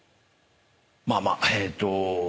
「まあまあえーっと」